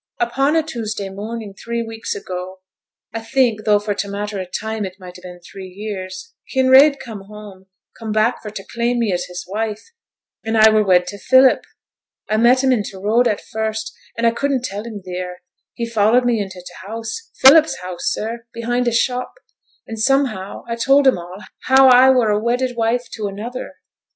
'Upon a Tuesday morning, three weeks ago, I think, tho' for t' matter o' time it might ha' been three years, Kinraid come home; come back for t' claim me as his wife, and I were wed to Philip! I met him i' t' road at first; and I couldn't tell him theere. He followed me into t' house Philip's house, sir, behind t' shop and somehow I told him all, how I were a wedded wife to another.